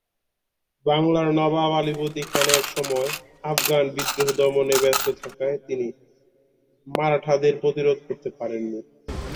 বাংলার নবাব আলীবর্দী খান এসময় আফগান বিদ্রোহ দমনে ব্যস্ত থাকায় তিনি মারাঠাদের প্রতিরোধ করতে পারেন নি।